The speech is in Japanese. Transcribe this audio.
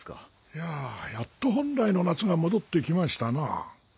いやあやっと本来の夏が戻ってきましたな。